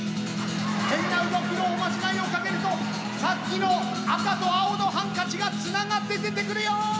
変な動きのおまじないをかけるとさっきの赤と青のハンカチがつながって出てくるよ！